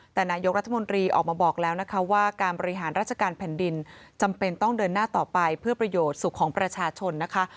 แต่นายกรัฐมนตรีออกมาบอกแล้วนะคะว่าการบริหารราชการแผ่นดินจำเป็นต้องเดินหน้าต่อไปเพื่อประโยชน์สุขของประชาชนนะคะ